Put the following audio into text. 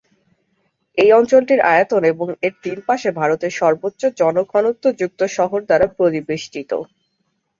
এই অঞ্চলটির আয়তন এবং এর তিন পাশে ভারতের সর্বোচ্চ জনঘনত্ব যুক্ত শহর দ্বারা পরিবেষ্টিত।